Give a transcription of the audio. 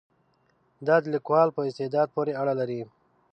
دا د لیکوال په استعداد پورې اړه لري.